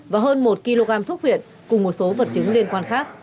và hơn một kg thuốc viện cùng một số vật chứng liên quan khác